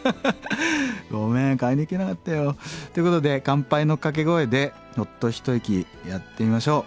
ごめん買いに行けなかったよ。ということで「乾杯」の掛け声でホッと一息やってみましょう。